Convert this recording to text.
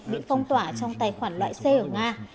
bị phong tỏa trong tài khoản loại xe ở nga